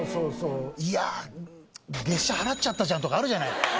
いや「月謝払っちゃったじゃん」とかあるじゃない。